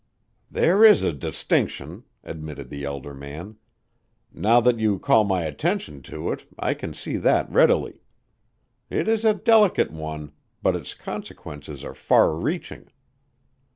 "There is a distinction," admitted the elder man. "Now that you call my attention to it, I can see that readily. It is a delicate one, but its consequences are far reaching.